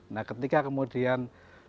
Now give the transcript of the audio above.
nah ketika kemudian